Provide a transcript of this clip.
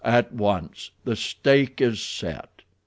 "At once. The stake is set."